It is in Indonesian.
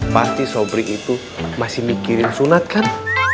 pasti sobri itu masih mikirin sunat kan